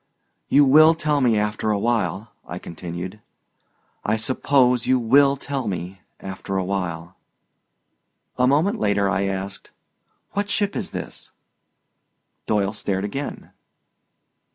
"You will tell me after a while," I continued; "I suppose you will tell me after a while." A moment later I asked: "What ship is this?" Doyle stared again.